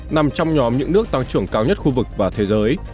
nằm trong nhóm những nước tăng trưởng cao nhất khu vực và thế giới